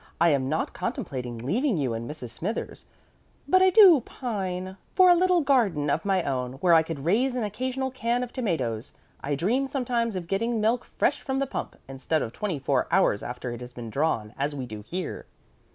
"I am not contemplating leaving you and Mrs. Smithers, but I do pine for a little garden of my own, where I could raise an occasional can of tomatoes. I dream sometimes of getting milk fresh from the pump, instead of twenty four hours after it has been drawn, as we do here.